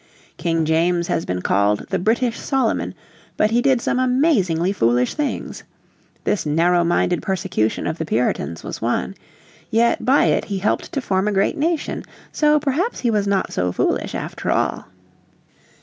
King James has been called the British Solomon, but he did some amazingly foolish things. This narrow minded persecution of the Puritans was one. Yet by it he helped to form a great nation. So perhaps he was not so foolish after all.